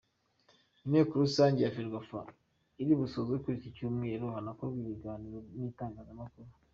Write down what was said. Inteko rusange ya Ferwafa iri busozwe kuri iki Cyumweru hanakorwa ikiganiro n’itangazamakuru.